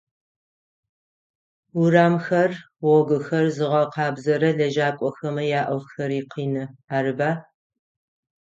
Урамхэр, гъогухэр зыгъэкъэбзэрэ лэжьакӏохэмэ яӏофхэри къины, арыба?